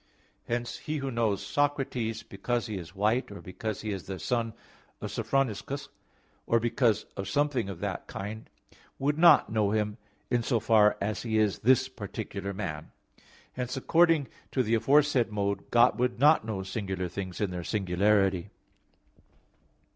Hence he who knows Socrates because he is white, or because he is the son of Sophroniscus, or because of something of that kind, would not know him in so far as he is this particular man. Hence according to the aforesaid mode, God would not know singular things in their singularity.